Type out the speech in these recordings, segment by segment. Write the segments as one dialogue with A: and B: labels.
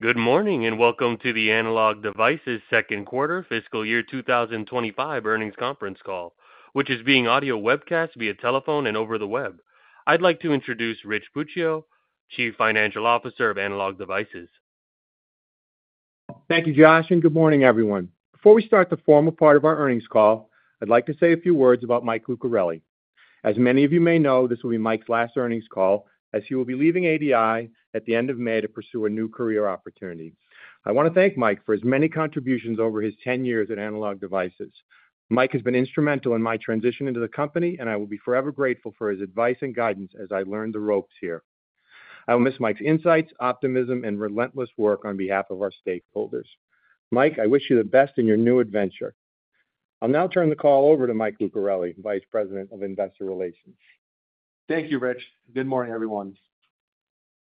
A: Good morning and welcome to the Analog Devices second quarter fiscal year 2025 earnings conference call, which is being audio webcast via telephone and over the web. I'd like to introduce Rich Puccio, Chief Financial Officer of Analog Devices.
B: Thank you, Josh, and good morning, everyone. Before we start the formal part of our earnings call, I'd like to say a few words about Mike Lucarelli. As many of you may know, this will be Mike's last earnings call, as he will be leaving ADI at the end of May to pursue a new career opportunity. I want to thank Mike for his many contributions over his 10 years at Analog Devices. Mike has been instrumental in my transition into the company, and I will be forever grateful for his advice and guidance as I learn the ropes here. I will miss Mike's insights, optimism, and relentless work on behalf of our stakeholders. Mike, I wish you the best in your new adventure. I'll now turn the call over to Mike Lucarelli, Vice President of Investor Relations.
C: Thank you, Rich. Good morning, everyone.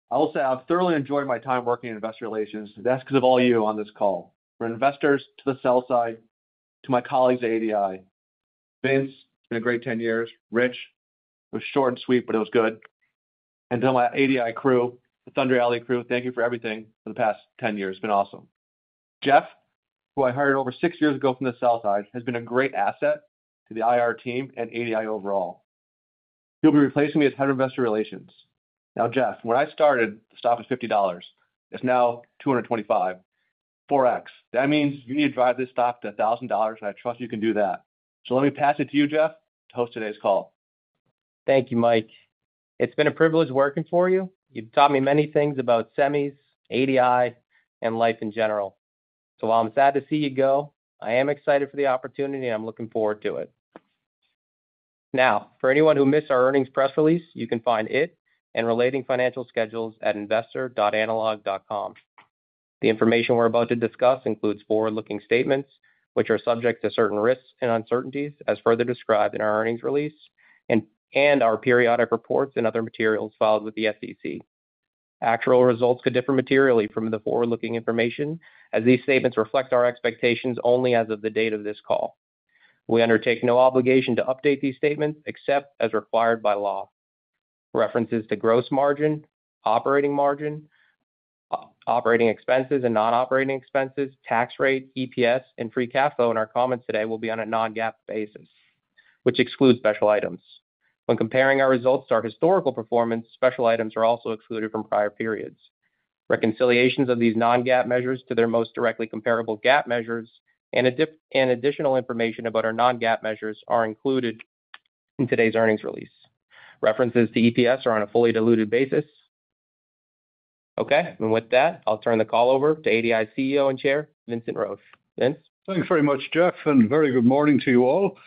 C: I will say I've thoroughly enjoyed my time working in investor relations, and that's because of all you on this call. From investors to the sell side, to my colleagues at ADI, Vince, it's been a great 10 years. Rich, it was short and sweet, but it was good. To my ADI crew, the Thunder, Ali crew, thank you for everything for the past 10 years. It's been awesome. Jeff, who I hired over six years ago from the sell side, has been a great asset to the IR team and ADI overall. He'll be replacing me as head of investor relations. Now, Jeff, when I started, the stock was $50. It's now $225, 4X. That means you need to drive this stock to $1,000, and I trust you can do that. Let me pass it to you, Jeff, to host today's call.
D: Thank you, Mike. It's been a privilege working for you. You've taught me many things about semis, ADI, and life in general. While I'm sad to see you go, I am excited for the opportunity, and I'm looking forward to it. For anyone who missed our earnings press release, you can find it and related financial schedules at investor.analog.com. The information we're about to discuss includes forward-looking statements, which are subject to certain risks and uncertainties, as further described in our earnings release, and our periodic reports and other materials filed with the SEC. Actual results could differ materially from the forward-looking information, as these statements reflect our expectations only as of the date of this call. We undertake no obligation to update these statements except as required by law. References to gross margin, operating margin, operating expenses, and non-operating expenses, tax rate, EPS, and free cash flow in our comments today will be on a non-GAAP basis, which excludes special items. When comparing our results to our historical performance, special items are also excluded from prior periods. Reconciliations of these non-GAAP measures to their most directly comparable GAAP measures and additional information about our non-GAAP measures are included in today's earnings release. References to EPS are on a fully diluted basis. Okay, and with that, I'll turn the call over to ADI CEO and Chair, Vincent Roche. Vince.
E: Thanks very much, Jeff, and very good morning to you all.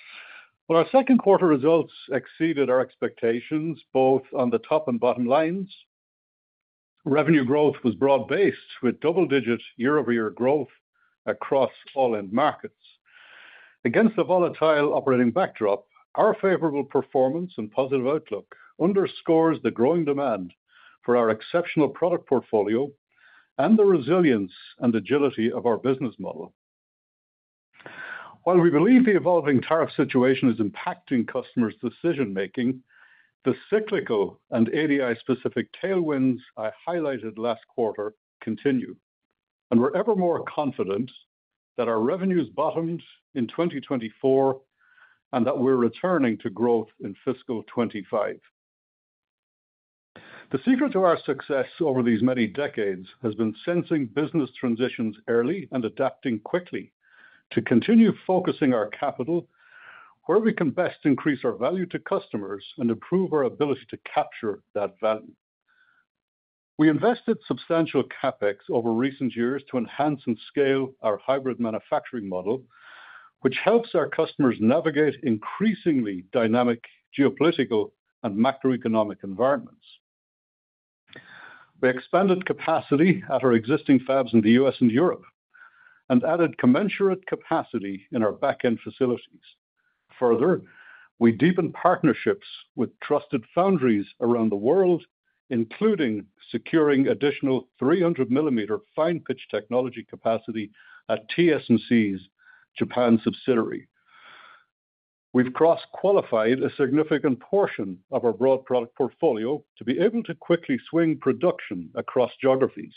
E: Our second quarter results exceeded our expectations, both on the top and bottom lines. Revenue growth was broad-based, with double-digit year-over-year growth across all end markets. Against a volatile operating backdrop, our favorable performance and positive outlook underscores the growing demand for our exceptional product portfolio and the resilience and agility of our business model. While we believe the evolving tariff situation is impacting customers' decision-making, the cyclical and ADI-specific tailwinds I highlighted last quarter continue, and we're ever more confident that our revenues bottomed in 2024 and that we're returning to growth in fiscal 2025. The secret to our success over these many decades has been sensing business transitions early and adapting quickly to continue focusing our capital where we can best increase our value to customers and improve our ability to capture that value. We invested substantial CapEx over recent years to enhance and scale our hybrid manufacturing model, which helps our customers navigate increasingly dynamic geopolitical and macroeconomic environments. We expanded capacity at our existing fabs in the US and Europe and added commensurate capacity in our back-end facilities. Further, we deepened partnerships with trusted foundries around the world, including securing additional 300-millimeter fine-pitch technology capacity at TSMC's Japan subsidiary. We've cross-qualified a significant portion of our broad product portfolio to be able to quickly swing production across geographies.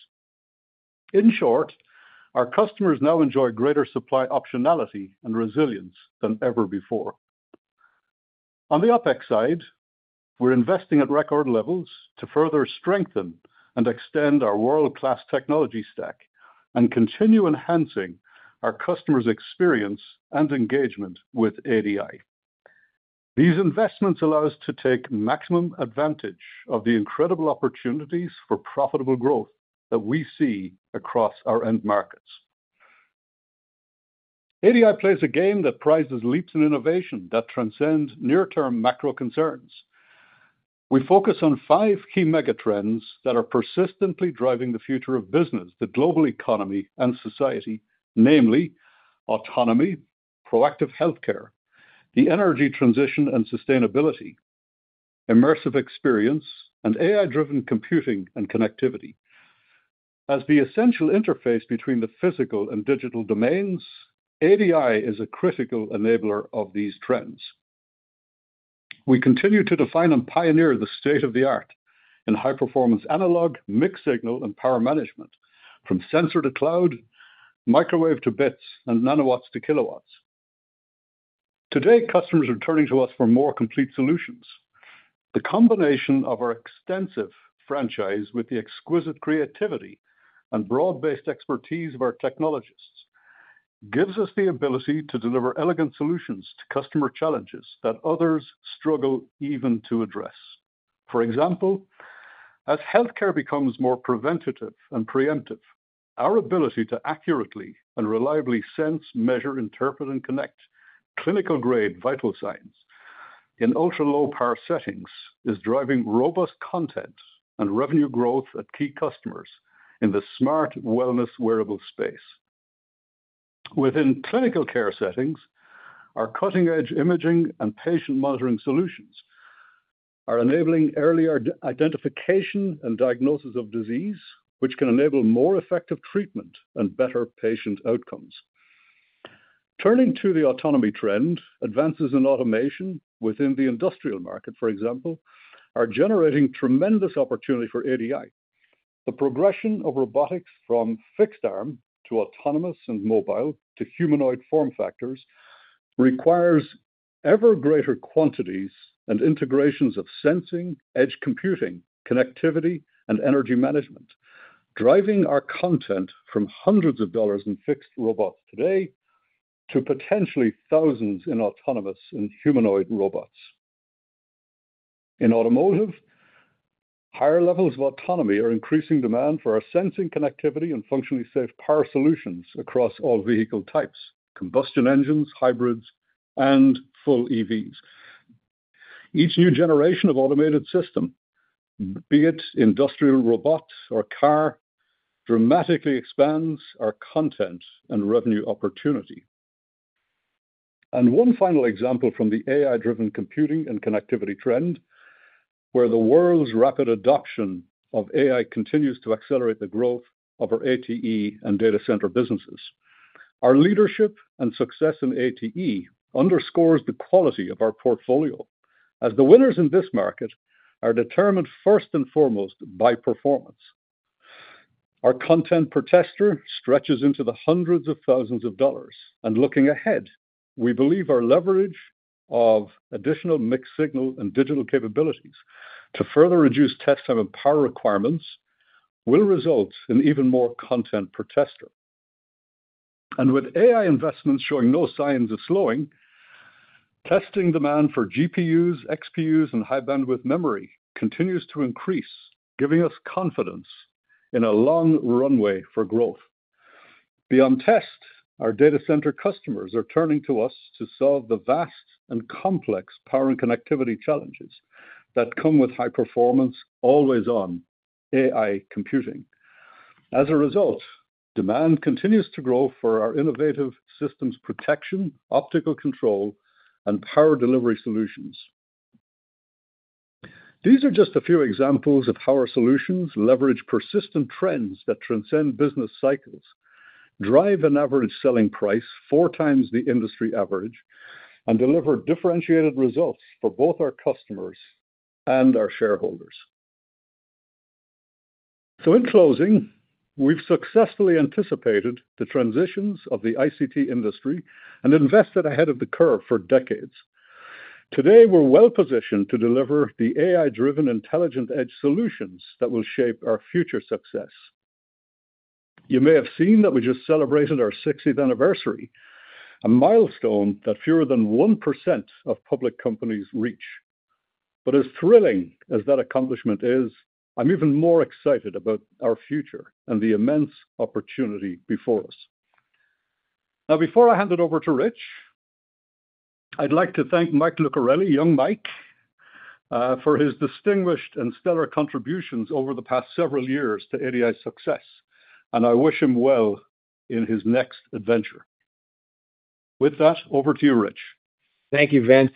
E: In short, our customers now enjoy greater supply optionality and resilience than ever before. On the OpEx side, we're investing at record levels to further strengthen and extend our world-class technology stack and continue enhancing our customers' experience and engagement with ADI. These investments allow us to take maximum advantage of the incredible opportunities for profitable growth that we see across our end markets. ADI plays a game that prizes leaps in innovation that transcend near-term macro concerns. We focus on five key mega trends that are persistently driving the future of business, the global economy, and society, namely autonomy, proactive healthcare, the energy transition and sustainability, immersive experience, and AI-driven computing and connectivity. As the essential interface between the physical and digital domains, ADI is a critical enabler of these trends. We continue to define and pioneer the state of the art in high-performance analog, mixed-signal, and power management from sensor to cloud, microwave to bits, and nanowatts to kilowatts. Today, customers are turning to us for more complete solutions. The combination of our extensive franchise with the exquisite creativity and broad-based expertise of our technologists gives us the ability to deliver elegant solutions to customer challenges that others struggle even to address. For example, as healthcare becomes more preventative and preemptive, our ability to accurately and reliably sense, measure, interpret, and connect clinical-grade vital signs in ultra-low-power settings is driving robust content and revenue growth at key customers in the smart wellness wearable space. Within clinical care settings, our cutting-edge imaging and patient monitoring solutions are enabling earlier identification and diagnosis of disease, which can enable more effective treatment and better patient outcomes. Turning to the autonomy trend, advances in automation within the industrial market, for example, are generating tremendous opportunity for ADI. The progression of robotics from fixed arm to autonomous and mobile to humanoid form factors requires ever greater quantities and integrations of sensing, edge computing, connectivity, and energy management, driving our content from hundreds of dollars in fixed robots today to potentially thousands in autonomous and humanoid robots. In automotive, higher levels of autonomy are increasing demand for our sensing, connectivity, and functionally safe power solutions across all vehicle types: combustion engines, hybrids, and full EVs. Each new generation of automated system, be it industrial robots or car, dramatically expands our content and revenue opportunity. One final example from the AI-driven computing and connectivity trend, where the world's rapid adoption of AI continues to accelerate the growth of our ATE and data center businesses. Our leadership and success in ATE underscores the quality of our portfolio, as the winners in this market are determined first and foremost by performance. Our content per tester stretches into the hundreds of thousands of dollars, and looking ahead, we believe our leverage of additional mixed-signal and digital capabilities to further reduce test time and power requirements will result in even more content per tester. With AI investments showing no signs of slowing, testing demand for GPUs, XPUs, and high-bandwidth memory continues to increase, giving us confidence in a long runway for growth. Beyond test, our data center customers are turning to us to solve the vast and complex power and connectivity challenges that come with high performance, always-on AI computing. As a result, demand continues to grow for our innovative systems protection, optical control, and power delivery solutions. These are just a few examples of how our solutions leverage persistent trends that transcend business cycles, drive an average selling price four times the industry average, and deliver differentiated results for both our customers and our shareholders. In closing, we have successfully anticipated the transitions of the ICT industry and invested ahead of the curve for decades. Today, we are well positioned to deliver the AI-driven, intelligent edge solutions that will shape our future success. You may have seen that we just celebrated our 60th anniversary, a milestone that fewer than 1% of public companies reach. As thrilling as that accomplishment is, I'm even more excited about our future and the immense opportunity before us. Now, before I hand it over to Rich, I'd like to thank Mike Lucarelli, Young Mike, for his distinguished and stellar contributions over the past several years to ADI's success, and I wish him well in his next adventure. With that, over to you, Rich.
B: Thank you, Vince.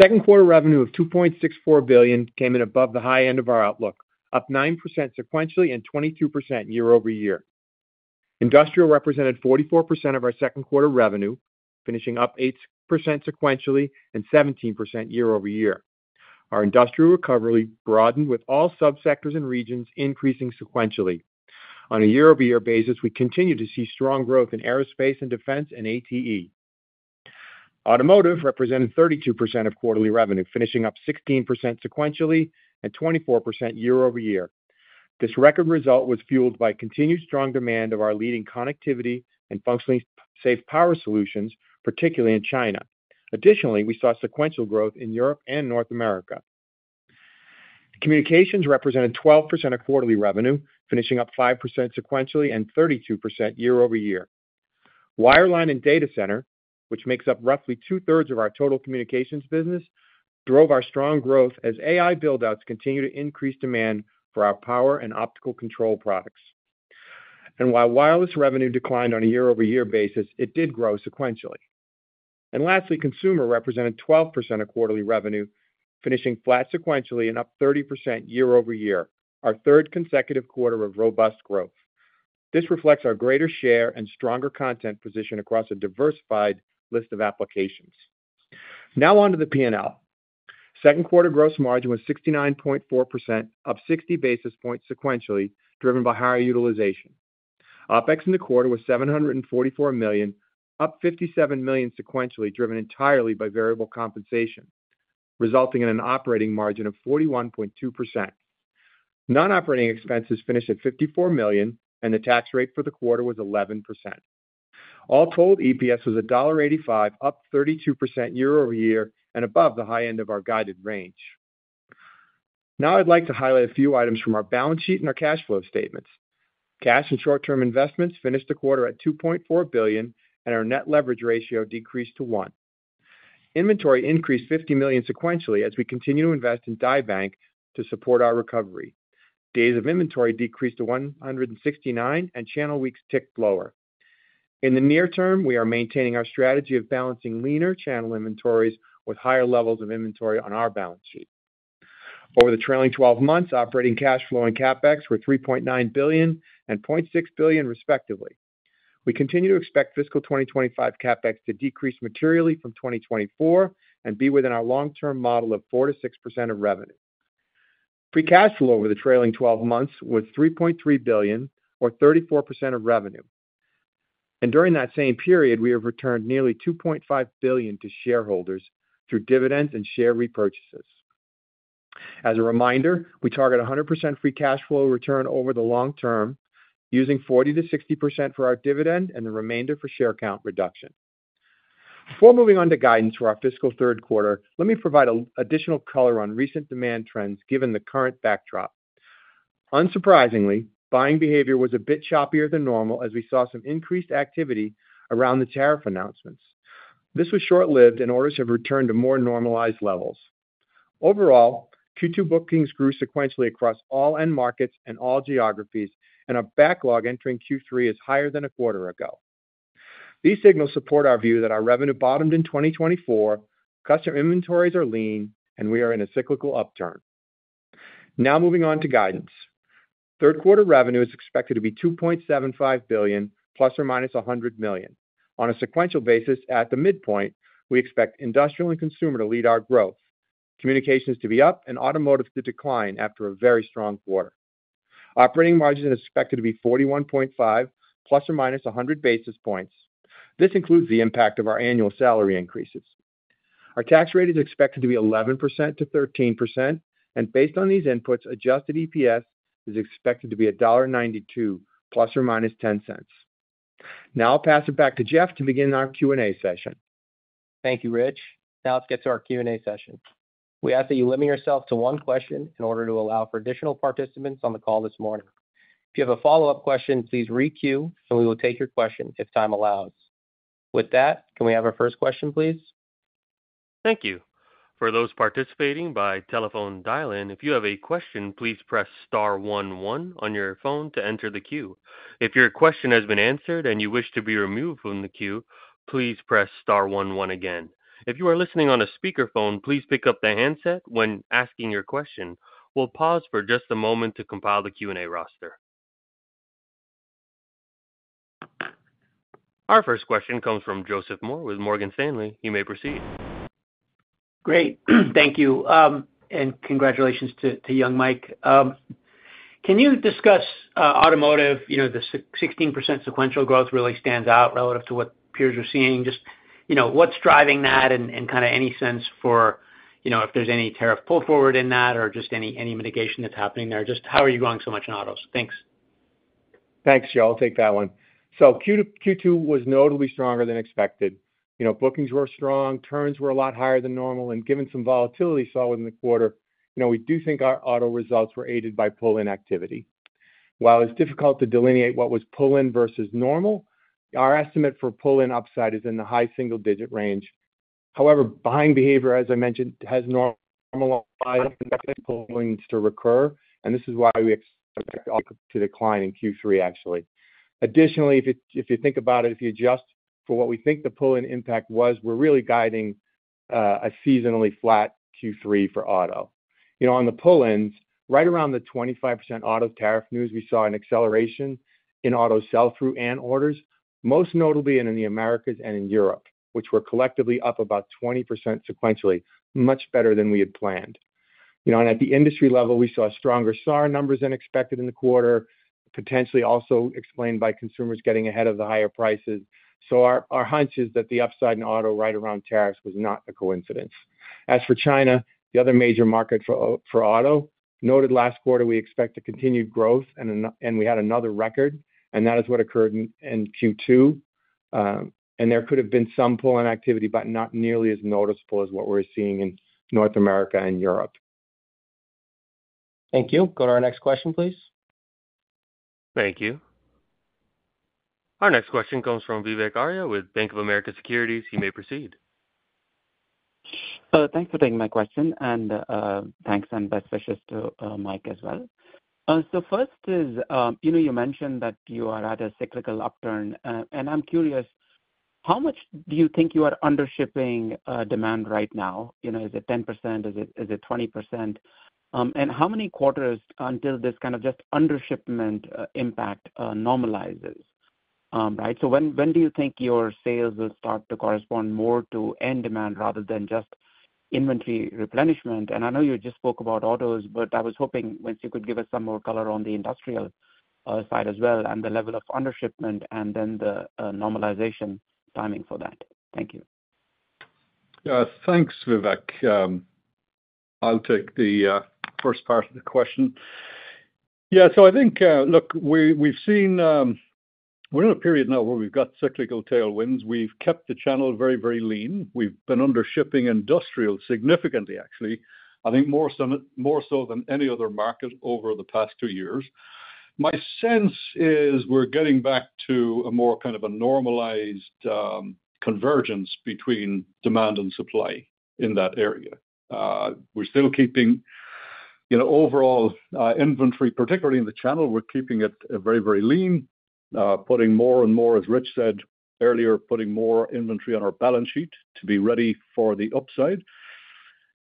B: Second quarter revenue of $2.64 billion came in above the high end of our outlook, up 9% sequentially and 22% year-over-year. Industrial represented 44% of our second quarter revenue, finishing up 8% sequentially and 17% year-over-year. Our industrial recovery broadened with all subsectors and regions increasing sequentially. On a year-over-year basis, we continue to see strong growth in aerospace and defense and ATE. Automotive represented 32% of quarterly revenue, finishing up 16% sequentially and 24% year-over-year. This record result was fueled by continued strong demand of our leading connectivity and functionally safe power solutions, particularly in China. Additionally, we saw sequential growth in Europe and North America. Communications represented 12% of quarterly revenue, finishing up 5% sequentially and 32% year-over-year. Wireline and data center, which makes up roughly two-thirds of our total communications business, drove our strong growth as AI buildouts continued to increase demand for our power and optical control products. While wireless revenue declined on a year-over-year basis, it did grow sequentially. Lastly, consumer represented 12% of quarterly revenue, finishing flat sequentially and up 30% year-over-year, our third consecutive quarter of robust growth. This reflects our greater share and stronger content position across a diversified list of applications. Now on to the P&L. Second quarter gross margin was 69.4%, up 60 basis points sequentially, driven by higher utilization. OpEx in the quarter was $744 million, up $57 million sequentially, driven entirely by variable compensation, resulting in an operating margin of 41.2%. Non-operating expenses finished at $54 million, and the tax rate for the quarter was 11%. All told, EPS was $1.85, up 32% year-over-year and above the high end of our guided range. Now I'd like to highlight a few items from our balance sheet and our cash flow statements. Cash and short-term investments finished the quarter at $2.4 billion, and our net leverage ratio decreased to 1. Inventory increased $50 million sequentially as we continue to invest in DIVANK to support our recovery. Days of inventory decreased to 169, and channel weeks ticked lower. In the near term, we are maintaining our strategy of balancing leaner channel inventories with higher levels of inventory on our balance sheet. Over the trailing 12 months, operating cash flow and CapEx were $3.9 billion and $0.6 billion, respectively. We continue to expect fiscal 2025 CapEx to decrease materially from 2024 and be within our long-term model of 4%-6% of revenue. cash flow over the trailing 12 months was $3.3 billion, or 34% of revenue. During that same period, we have returned nearly $2.5 billion to shareholders through dividends and share repurchases. As a reminder, we target 100% free cash flow return over the long term, using 40%-60% for our dividend and the remainder for share count reduction. Before moving on to guidance for our fiscal third quarter, let me provide additional color on recent demand trends given the current backdrop. Unsurprisingly, buying behavior was a bit choppier than normal as we saw some increased activity around the tariff announcements. This was short-lived and orders have returned to more normalized levels. Overall, Q2 bookings grew sequentially across all end markets and all geographies, and our backlog entering Q3 is higher than a quarter ago. These signals support our view that our revenue bottomed in 2024, customer inventories are lean, and we are in a cyclical upturn. Now moving on to guidance. Third quarter revenue is expected to be $2.75 billion, plus or minus $100 million. On a sequential basis, at the midpoint, we expect industrial and consumer to lead our growth, communications to be up, and automotive to decline after a very strong quarter. Operating margins are expected to be 41.5%, plus or minus 100 basis points. This includes the impact of our annual salary increases. Our tax rate is expected to be 11%-13%, and based on these inputs, adjusted EPS is expected to be $1.92, plus or minus $0.10. Now I'll pass it back to Jeff to begin our Q&A session.
D: Thank you, Rich. Now let's get to our Q&A session. We ask that you limit yourself to one question in order to allow for additional participants on the call this morning. If you have a follow-up question, please re-queue, and we will take your question if time allows. With that, can we have our first question, please?
A: Thank you. For those participating by telephone dial-in, if you have a question, please press star 11 on your phone to enter the queue. If your question has been answered and you wish to be removed from the queue, please press star 11 again. If you are listening on a speakerphone, please pick up the handset when asking your question. We'll pause for just a moment to compile the Q&A roster. Our first question comes from Joseph Moore with Morgan Stanley. You may proceed.
F: Great. Thank you. And congratulations to Young Mike. Can you discuss automotive? The 16% sequential growth really stands out relative to what peers are seeing. Just what's driving that and kind of any sense for if there's any tariff pull forward in that or just any mitigation that's happening there? Just how are you growing so much in autos? Thanks.
B: Thanks, Joel. I'll take that one. Q2 was notably stronger than expected. Bookings were strong, turns were a lot higher than normal, and given some volatility saw within the quarter, we do think our auto results were aided by pull-in activity. While it's difficult to delineate what was pull-in versus normal, our estimate for pull-in upside is in the high single-digit range. However, buying behavior, as I mentioned, has normalized pull-ins to recur, and this is why we expect to decline in Q3, actually. Additionally, if you think about it, if you adjust for what we think the pull-in impact was, we're really guiding a seasonally flat Q3 for auto. On the pull-ins, right around the 25% auto tariff news, we saw an acceleration in auto sell-through and orders, most notably in the Americas and in Europe, which were collectively up about 20% sequentially, much better than we had planned. At the industry level, we saw stronger SAR numbers than expected in the quarter, potentially also explained by consumers getting ahead of the higher prices. Our hunch is that the upside in auto right around tariffs was not a coincidence. As for China, the other major market for auto, noted last quarter, we expect to continue growth, and we had another record, and that is what occurred in Q2. There could have been some pull-in activity, but not nearly as noticeable as what we're seeing in North America and Europe.
D: Thank you. Go to our next question, please.
A: Thank you. Our next question comes from Vivek Arya with Bank of America Securities. You may proceed.
G: Thanks for taking my question, and thanks and best wishes to Mike as well. First, you mentioned that you are at a cyclical upturn, and I'm curious, how much do you think you are undershipping demand right now? Is it 10%? Is it 20%? How many quarters until this kind of just undershipment impact normalizes? When do you think your sales will start to correspond more to end demand rather than just inventory replenishment? I know you just spoke about autos, but I was hoping once you could give us some more color on the industrial side as well and the level of undershipment and then the normalization timing for that. Thank you.
E: Thanks, Vivek. I'll take the first part of the question. Yeah, so I think, look, we've seen we're in a period now where we've got cyclical tailwinds. We've kept the channel very, very lean. We've been undershipping industrial significantly, actually, I think more so than any other market over the past two years. My sense is we're getting back to a more kind of a normalized convergence between demand and supply in that area. We're still keeping overall inventory, particularly in the channel, we're keeping it very, very lean, putting more and more, as Rich said earlier, putting more inventory on our balance sheet to be ready for the upside.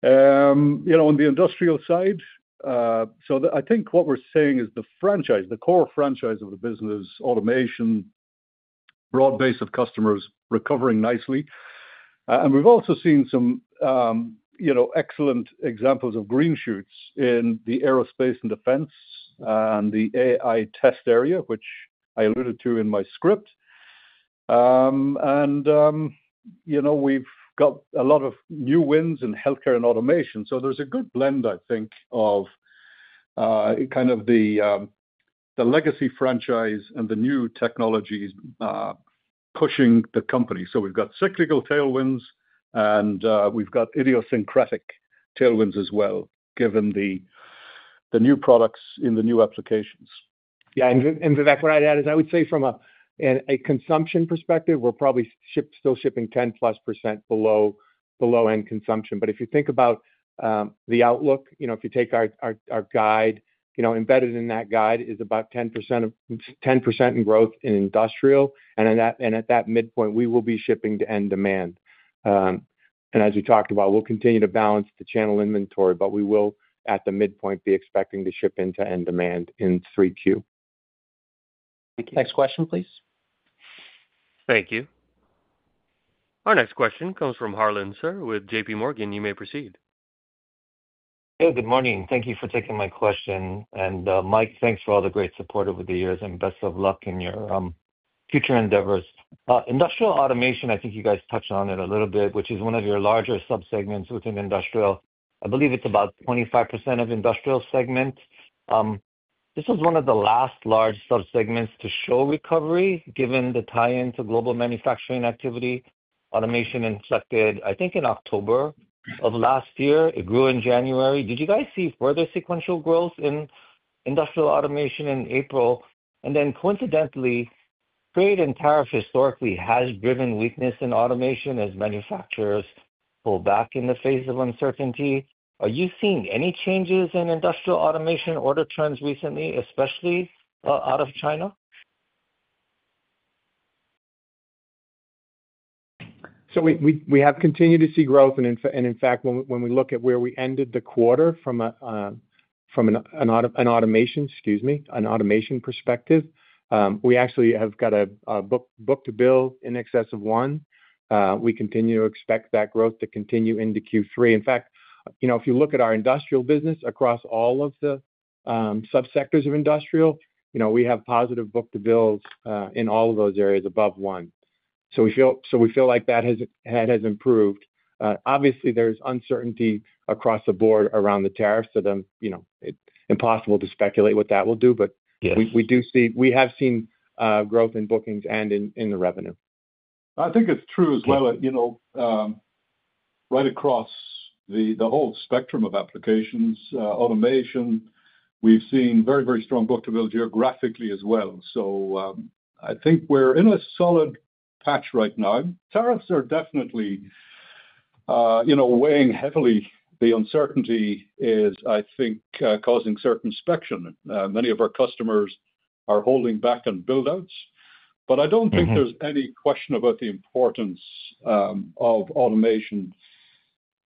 E: On the industrial side, so I think what we're seeing is the franchise, the core franchise of the business, automation, broad base of customers recovering nicely. We've also seen some excellent examples of green shoots in the aerospace and defense and the AI test area, which I alluded to in my script. We've got a lot of new wins in healthcare and automation. There's a good blend, I think, of kind of the legacy franchise and the new technologies pushing the company. We've got cyclical tailwinds, and we've got idiosyncratic tailwinds as well, given the new products in the new applications.
B: Yeah, and Vivek, what I'd add is I would say from a consumption perspective, we're probably still shipping 10+% below end consumption. But if you think about the outlook, if you take our guide, embedded in that guide is about 10% in growth in industrial. And at that midpoint, we will be shipping to end demand. And as we talked about, we'll continue to balance the channel inventory, but we will, at the midpoint, be expecting to ship into end demand in three Q.
G: Thank you.
D: Next question, please.
A: Thank you. Our next question comes from Harsh Kumar with JP Morgan. You may proceed.
H: Good morning. Thank you for taking my question. And Mike, thanks for all the great support over the years, and best of luck in your future endeavors. Industrial automation, I think you guys touched on it a little bit, which is one of your larger subsegments within industrial. I believe it's about 25% of industrial segment. This was one of the last large subsegments to show recovery, given the tie-in to global manufacturing activity. Automation inflected, I think, in October of last year. It grew in January. Did you guys see further sequential growth in industrial automation in April? And then, coincidentally, trade and tariff historically has driven weakness in automation as manufacturers pull back in the face of uncertainty. Are you seeing any changes in industrial automation order trends recently, especially out of China?
B: We have continued to see growth. In fact, when we look at where we ended the quarter from an automation perspective, we actually have got a book-to-bill in excess of one. We continue to expect that growth to continue into Q3. In fact, if you look at our industrial business across all of the subsectors of industrial, we have positive book-to-bills in all of those areas above one. We feel like that has improved. Obviously, there is uncertainty across the board around the tariffs, so it is impossible to speculate what that will do, but we have seen growth in bookings and in the revenue.
E: I think it's true as well. Right across the whole spectrum of applications, automation, we've seen very, very strong book-to-bill geographically as well. I think we're in a solid patch right now. Tariffs are definitely weighing heavily. The uncertainty is, I think, causing certain speculation. Many of our customers are holding back on buildouts. I don't think there's any question about the importance of automation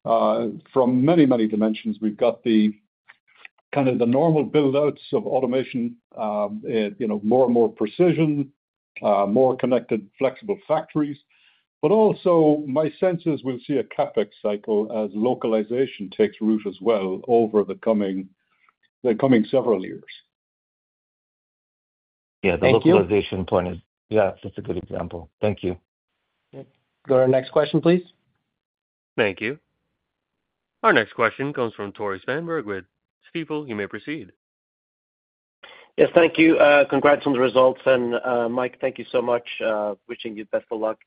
E: from many, many dimensions. We've got kind of the normal buildouts of automation, more and more precision, more connected, flexible factories. My sense is we'll see a CapEx cycle as localization takes root as well over the coming several years.
H: Yeah, the localization point is, yeah, that's a good example. Thank you.
D: Go to our next question, please.
A: Thank you. Our next question comes from Tore Svanberg with Stifel. You may proceed.
I: Yes, thank you. Congrats on the results. And Mike, thank you so much. Wishing you best of luck.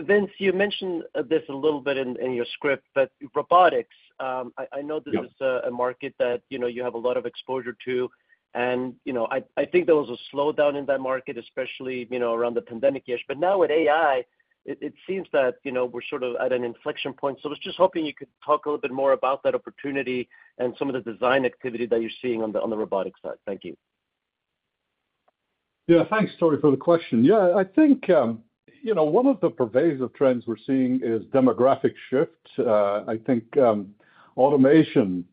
I: Vince, you mentioned this a little bit in your script, but robotics, I know this is a market that you have a lot of exposure to. I think there was a slowdown in that market, especially around the pandemic years. Now with AI, it seems that we're sort of at an inflection point. I was just hoping you could talk a little bit more about that opportunity and some of the design activity that you're seeing on the robotics side. Thank you.
E: Yeah, thanks, Tore, for the question. Yeah, I think one of the pervasive trends we're seeing is demographic shift. I think automation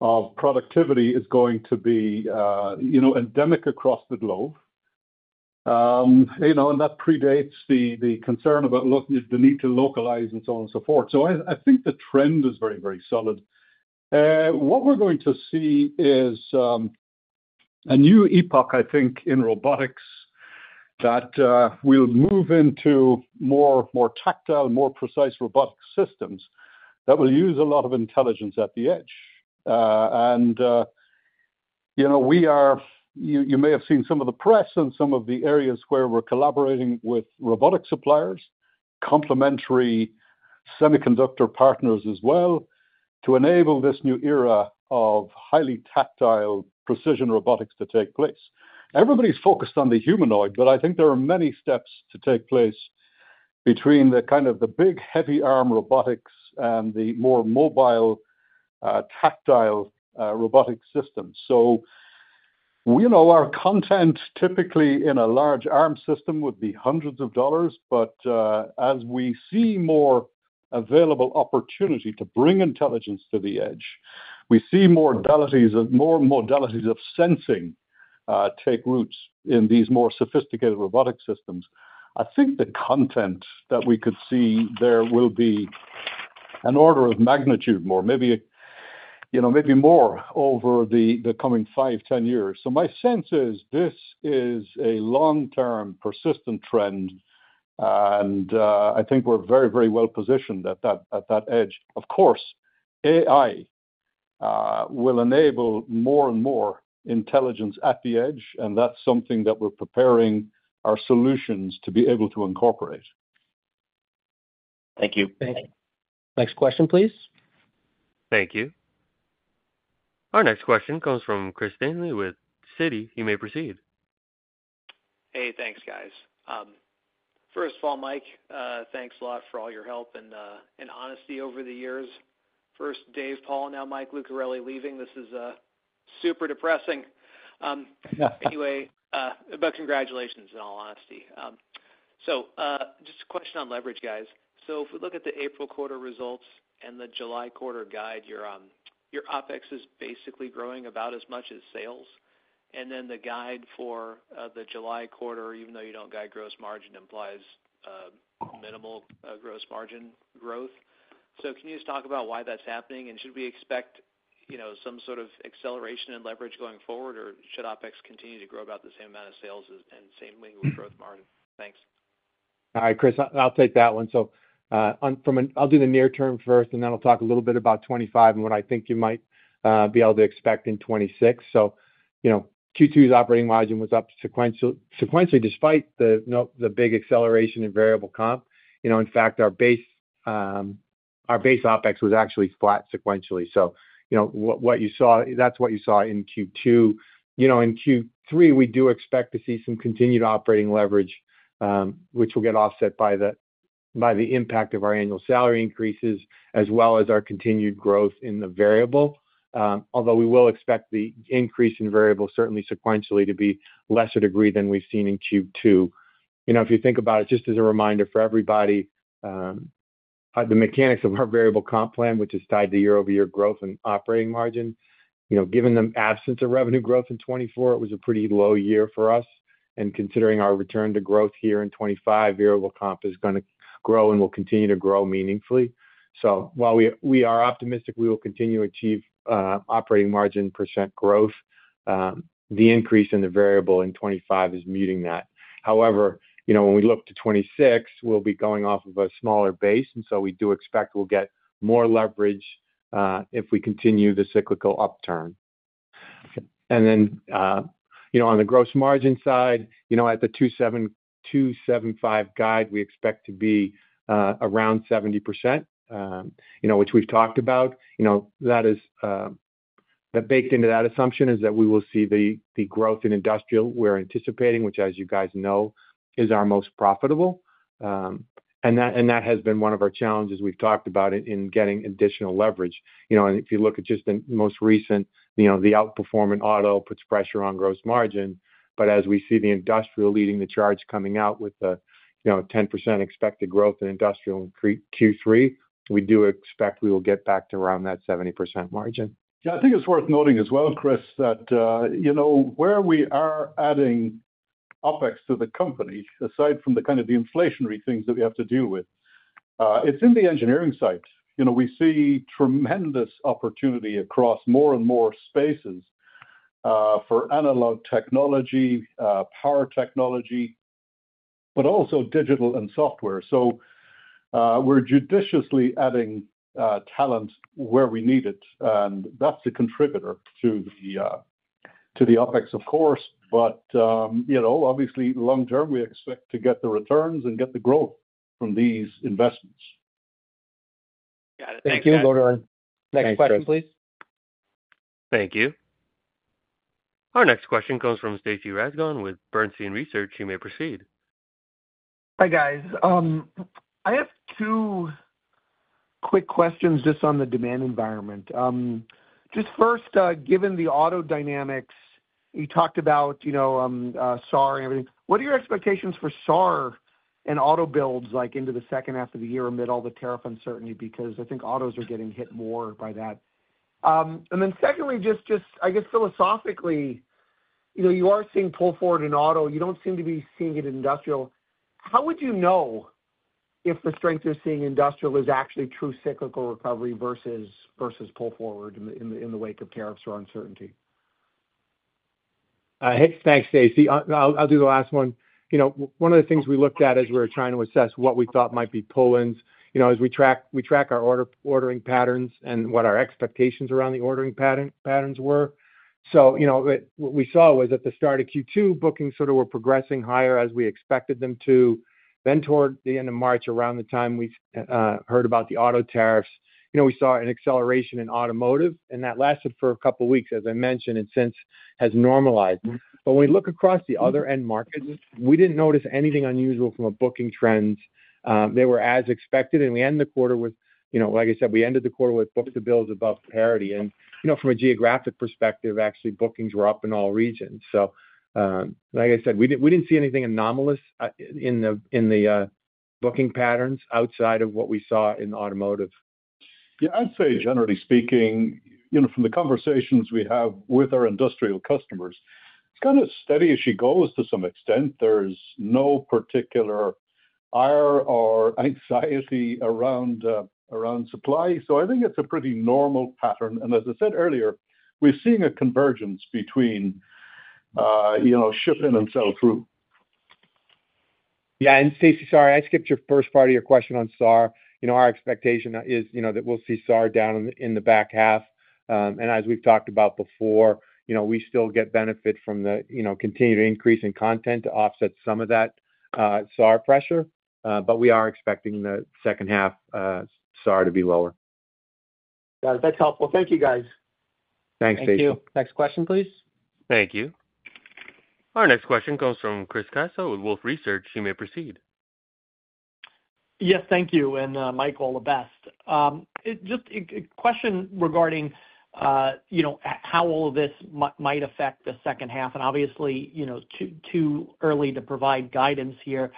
E: of productivity is going to be endemic across the globe. That predates the concern about looking at the need to localize and so on and so forth. I think the trend is very, very solid. What we're going to see is a new epoch, I think, in robotics that will move into more tactile, more precise robotic systems that will use a lot of intelligence at the edge. You may have seen some of the press and some of the areas where we're collaborating with robotic suppliers, complementary semiconductor partners as well, to enable this new era of highly tactile precision robotics to take place. Everybody's focused on the humanoid, but I think there are many steps to take place between the kind of the big heavy-arm robotics and the more mobile tactile robotic systems. Our content, typically in a large-arm system, would be hundreds of dollars. As we see more available opportunity to bring intelligence to the edge, we see more modalities of sensing take roots in these more sophisticated robotic systems. I think the content that we could see there will be an order of magnitude more, maybe more over the coming 5, 10 years. My sense is this is a long-term persistent trend, and I think we're very, very well positioned at that edge. Of course, AI will enable more and more intelligence at the edge, and that's something that we're preparing our solutions to be able to incorporate. Thank you.
B: Thanks.
D: Next question, please.
A: Thank you. Our next question comes from Chris Danely with Citi. You may proceed.
J: Hey, thanks, guys. First of all, Mike, thanks a lot for all your help and honesty over the years. First Dave Paul, now Mike Lucarelli leaving. This is super depressing. Anyway, but congratulations in all honesty. Just a question on leverage, guys. If we look at the April quarter results and the July quarter guide, your OpEx is basically growing about as much as sales. The guide for the July quarter, even though you do not guide gross margin, implies minimal gross margin growth. Can you just talk about why that is happening? Should we expect some sort of acceleration in leverage going forward, or should OpEx continue to grow about the same amount as sales and same with gross margin growth? Thanks.
B: All right, Chris, I'll take that one. I'll do the near-term first, and then I'll talk a little bit about '25 and what I think you might be able to expect in '26. Q2's operating margin was up sequentially despite the big acceleration in variable comp. In fact, our base OpEx was actually flat sequentially. That's what you saw in Q2. In Q3, we do expect to see some continued operating leverage, which will get offset by the impact of our annual salary increases as well as our continued growth in the variable. Although we will expect the increase in variable certainly sequentially to be a lesser degree than we've seen in Q2. If you think about it, just as a reminder for everybody, the mechanics of our variable comp plan, which is tied to year-over-year growth and operating margin, given the absence of revenue growth in 2024, it was a pretty low year for us. And considering our return to growth here in 2025, variable comp is going to grow and will continue to grow meaningfully. While we are optimistic, we will continue to achieve operating margin % growth, the increase in the variable in 2025 is muting that. However, when we look to 2026, we will be going off of a smaller base. We do expect we will get more leverage if we continue the cyclical upturn. On the gross margin side, at the 275 guide, we expect to be around 70%, which we have talked about. That baked into that assumption is that we will see the growth in industrial we're anticipating, which, as you guys know, is our most profitable. That has been one of our challenges we've talked about in getting additional leverage. If you look at just the most recent, the outperforming auto puts pressure on gross margin. As we see the industrial leading the charge coming out with a 10% expected growth in industrial in Q3, we do expect we will get back to around that 70% margin.
E: Yeah, I think it's worth noting as well, Chris, that where we are adding OpEx to the company, aside from the kind of the inflationary things that we have to deal with, it's in the engineering side. We see tremendous opportunity across more and more spaces for analog technology, power technology, but also digital and software. So we're judiciously adding talent where we need it. And that's a contributor to the OpEx, of course. Obviously, long term, we expect to get the returns and get the growth from these investments.
J: Got it. Thank you.
D: Thank you. Go to our next question, please.
A: Thank you. Our next question comes from Stacy Rasgon with Bernstein Research. You may proceed.
B: Hi, guys. I have two quick questions just on the demand environment. Just first, given the auto dynamics, you talked about SAR and everything. What are your expectations for SAR and auto builds like into the second half of the year amid all the tariff uncertainty? Because I think autos are getting hit more by that. Secondly, just, I guess, philosophically, you are seeing pull forward in auto. You do not seem to be seeing it in industrial. How would you know if the strength you are seeing in industrial is actually true cyclical recovery versus pull forward in the wake of tariffs or uncertainty? Thanks, Stacy. I will do the last one. One of the things we looked at as we were trying to assess what we thought might be pull-ins, as we track our ordering patterns and what our expectations around the ordering patterns were. What we saw was at the start of Q2, bookings sort of were progressing higher as we expected them to. Then toward the end of March, around the time we heard about the auto tariffs, we saw an acceleration in automotive. That lasted for a couple of weeks, as I mentioned, and since has normalized. When we look across the other end markets, we did not notice anything unusual from a booking trend. They were as expected. We ended the quarter with, like I said, we ended the quarter with book-to-bills above parity. From a geographic perspective, actually, bookings were up in all regions. Like I said, we did not see anything anomalous in the booking patterns outside of what we saw in automotive.
E: Yeah, I'd say, generally speaking, from the conversations we have with our industrial customers, it's kind of steady as she goes to some extent. There's no particular ire or anxiety around supply. I think it's a pretty normal pattern. As I said earlier, we're seeing a convergence between shipping and sales through.
B: Yeah. Stacy, sorry, I skipped your first part of your question on SAR. Our expectation is that we'll see SAR down in the back half. As we've talked about before, we still get benefit from the continued increase in content to offset some of that SAR pressure. We are expecting the second half SAR to be lower. That's helpful. Thank you, guys.
D: Thanks, Stacy. Thank you. Next question, please.
A: Thank you. Our next question comes from Chris Cassa with Wolfe Research. You may proceed.
K: Yes, thank you. Mike, all the best. Just a question regarding how all of this might affect the second half. Obviously, too early to provide guidance here.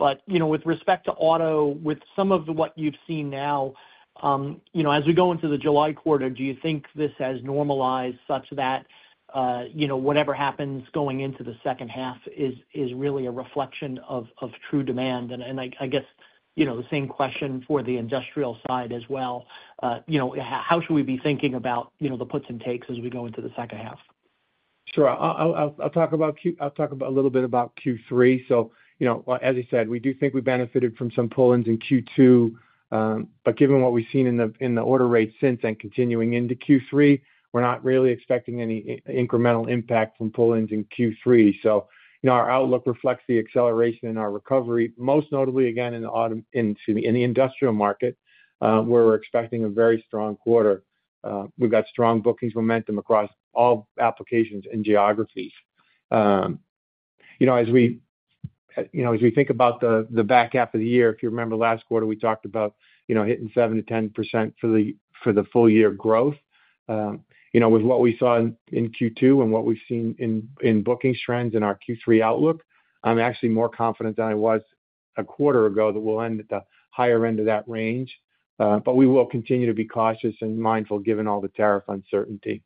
K: With respect to auto, with some of what you've seen now, as we go into the July quarter, do you think this has normalized such that whatever happens going into the second half is really a reflection of true demand? I guess the same question for the industrial side as well. How should we be thinking about the puts and takes as we go into the second half? Sure. I'll talk a little bit about Q3. As I said, we do think we benefited from some pull-ins in Q2. Given what we've seen in the order rate since and continuing into Q3, we're not really expecting any incremental impact from pull-ins in Q3.
B: Our outlook reflects the acceleration in our recovery, most notably, again, in the industrial market, where we're expecting a very strong quarter. We've got strong bookings momentum across all applications and geographies. As we think about the back half of the year, if you remember last quarter, we talked about hitting 7-10% for the full-year growth. With what we saw in Q2 and what we've seen in bookings trends in our Q3 outlook, I'm actually more confident than I was a quarter ago that we'll end at the higher end of that range. We will continue to be cautious and mindful given all the tariff uncertainty.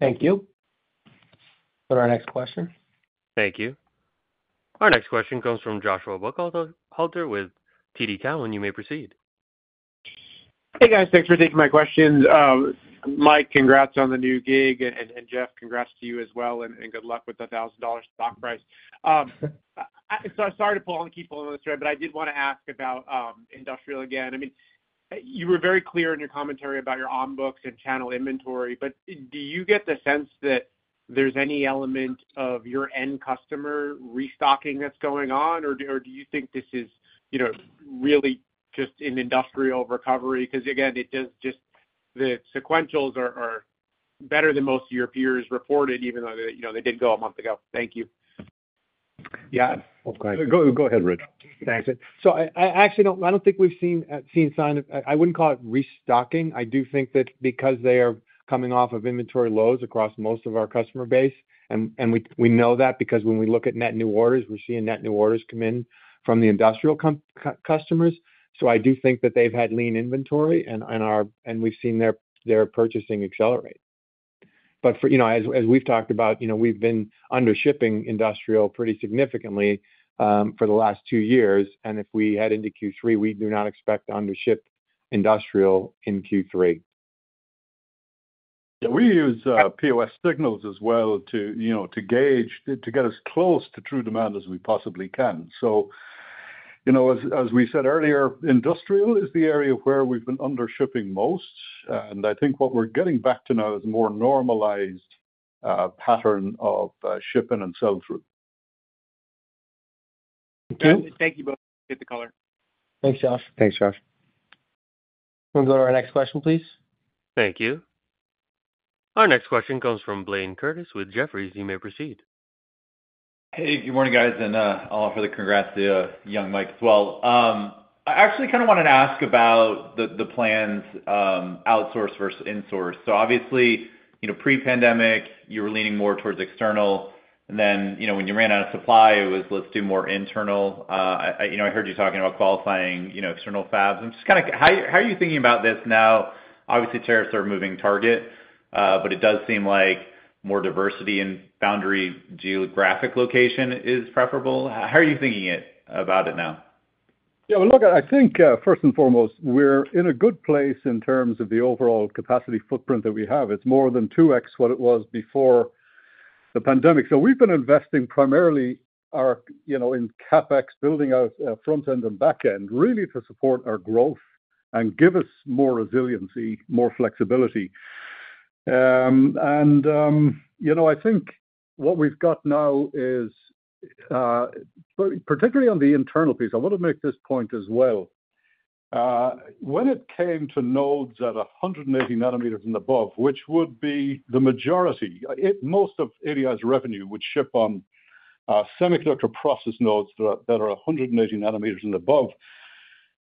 D: Thank you. Go to our next question.
A: Thank you. Our next question comes from Joshua Buchalter with TD Cowen. You may proceed.
L: Hey, guys. Thanks for taking my questions. Mike, congrats on the new gig. Jeff, congrats to you as well. Good luck with the $1,000 stock price. Sorry to keep pulling this thread, but I did want to ask about industrial again. I mean, you were very clear in your commentary about your onbooks and channel inventory. Do you get the sense that there's any element of your end customer restocking that's going on? Do you think this is really just an industrial recovery? Because again, it does just the sequentials are better than most of your peers reported, even though they did go a month ago. Thank you.
B: Yeah.
E: Go ahead, Rich.
B: Thanks. I actually do not think we have seen signs of, I would not call it restocking. I do think that because they are coming off of inventory lows across most of our customer base. We know that because when we look at net new orders, we are seeing net new orders come in from the industrial customers. I do think that they have had lean inventory, and we have seen their purchasing accelerate. As we have talked about, we have been undershipping industrial pretty significantly for the last two years. If we head into Q3, we do not expect to undership industrial in Q3.
E: Yeah. We use POS signals as well to gauge to get as close to true demand as we possibly can. As we said earlier, industrial is the area where we've been undershipping most. I think what we're getting back to now is a more normalized pattern of shipping and sales through.
D: Thank you both. Get the color.
K: Thanks, Josh.
E: Thanks, Jeff.
D: We'll go to our next question, please.
A: Thank you. Our next question comes from Blaine Curtis with Jefferies. You may proceed.
M: Hey, good morning, guys. I'll further congrats to young Mike as well. I actually kind of wanted to ask about the plans outsource versus insource. Obviously, pre-pandemic, you were leaning more towards external. Then when you ran out of supply, it was, "Let's do more internal." I heard you talking about qualifying external fabs. I'm just kind of, how are you thinking about this now? Obviously, tariffs are a moving target, but it does seem like more diversity in foundry geographic location is preferable. How are you thinking about it now?
E: Yeah. Look, I think first and foremost, we're in a good place in terms of the overall capacity footprint that we have. It's more than 2x what it was before the pandemic. We've been investing primarily in CapEx, building out front-end and back-end, really to support our growth and give us more resiliency, more flexibility. I think what we've got now is, particularly on the internal piece, I want to make this point as well. When it came to nodes at 180 nanometers and above, which would be the majority, most of Analog Devices' revenue would ship on semiconductor process nodes that are 180 nanometers and above.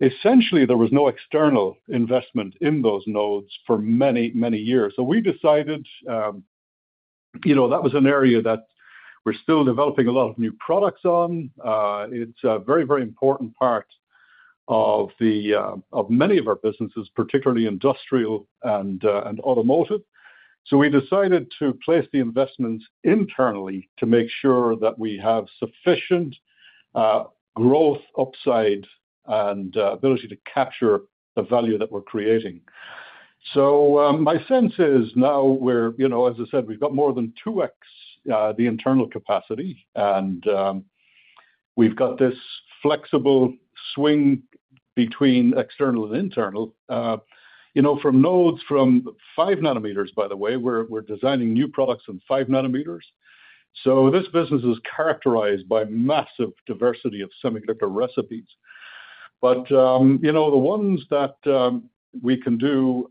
E: Essentially, there was no external investment in those nodes for many, many years. We decided that was an area that we're still developing a lot of new products on. It's a very, very important part of many of our businesses, particularly industrial and automotive. We decided to place the investments internally to make sure that we have sufficient growth upside and ability to capture the value that we're creating. My sense is now, as I said, we've got more than 2x the internal capacity. We've got this flexible swing between external and internal. From nodes from 5 nanometers, by the way, we're designing new products in 5 nanometers. This business is characterized by massive diversity of semiconductor recipes. The ones that we can do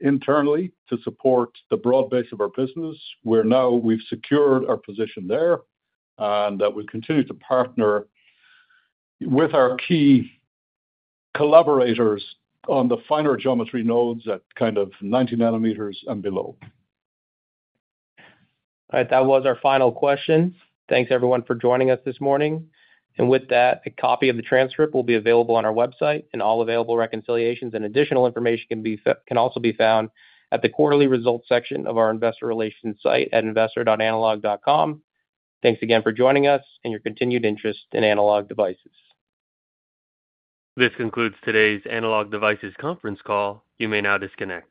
E: internally to support the broad base of our business, where now we've secured our position there and that we'll continue to partner with our key collaborators on the finer geometry nodes at kind of 90 nanometers and below.
D: All right. That was our final question. Thanks, everyone, for joining us this morning. A copy of the transcript will be available on our website. All available reconciliations and additional information can also be found at the quarterly results section of our investor relations site at investor.analog.com. Thanks again for joining us and your continued interest in Analog Devices.
A: This concludes today's Analog Devices Conference Call. You may now disconnect.